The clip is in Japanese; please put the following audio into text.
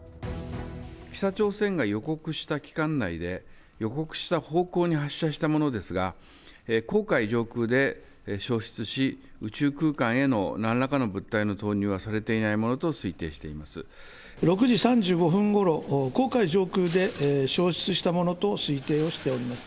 北朝鮮が予告した期間内で、予告した方向に発射したものですが、黄海上空で消失し、宇宙空間へのなんらかの物体の投入はされていないものと推定して６時３５分ごろ、黄海上空で消失したものと推定をしております。